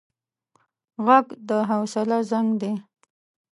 غږ د حوصله زنګ دی